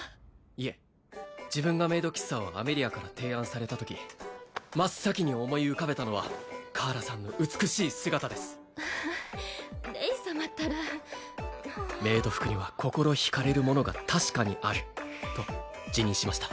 いえ自分がメイド喫茶をアメリアから提案されたとき真っ先に思い浮かべたのはカーラさんの美しい姿ですはああレイ様ったらメイド服には心引かれるものが確かにあると自認しました